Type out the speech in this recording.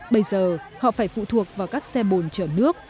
bây giờ họ phải phụ thuộc vào các xe bồn chở nước